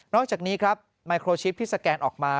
จากนี้ครับไมโครชิปที่สแกนออกมา